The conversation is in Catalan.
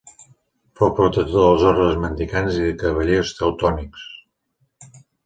Fou protector dels ordes mendicants i dels Cavallers Teutònics.